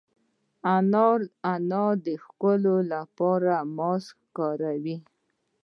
انار د ښکلا لپاره ماسک کې کارېږي.